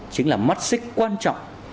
chính là mắt xích quan trọng